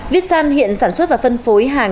viết săn hiện sản xuất và phân phối hàng